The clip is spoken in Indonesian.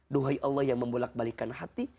duhai allah yang membolak balikan hati